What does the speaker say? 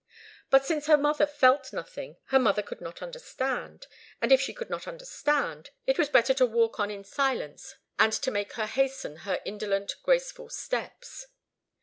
But since her mother felt nothing, her mother could not understand; and if she could not understand, it was better to walk on in silence and to make her hasten her indolent, graceful steps.